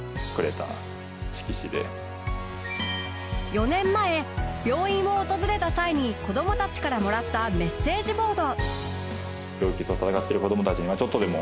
４年前病院を訪れた際に子どもたちからもらったメッセージボード。